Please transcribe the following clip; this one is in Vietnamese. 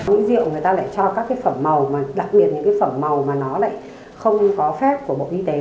những rượu người ta lại cho các cái phẩm màu mà đặc biệt những cái phẩm màu mà nó lại không có phép của bộ y tế